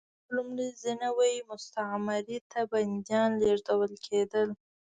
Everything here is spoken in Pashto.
په لومړي ځل نوې مستعمرې ته بندیان لېږدول کېدل.